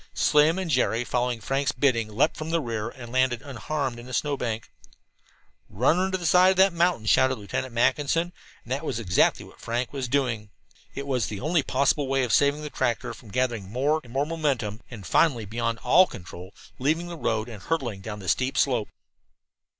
Slim and Jerry, following Frank's bidding, leaped from the rear and landed unharmed in a snow bank. "Run her into the side of the mountain," shouted Lieutenant Mackinson, and that was exactly what Frank was doing. It was the only possible way of saving the tractor from gathering more and more momentum, and, finally beyond all control, leaving the road and hurtling down the steep slope.